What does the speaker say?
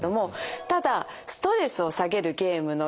ただストレスを下げるゲームの４条件